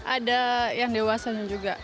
ada yang dewasa juga